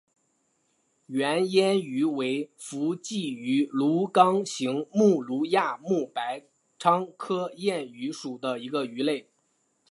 圆燕鱼为辐鳍鱼纲鲈形目鲈亚目白鲳科燕鱼属的一种鱼类。